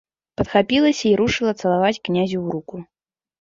Падхапілася і рушыла цалаваць князю ў руку.